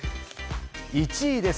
１位です。